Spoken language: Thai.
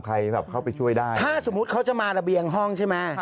ใครแบบเข้าไปช่วยได้ถ้าสมมุติเขาจะมาระเบียงห้องใช่ไหม